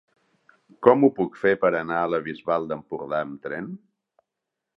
Com ho puc fer per anar a la Bisbal d'Empordà amb tren?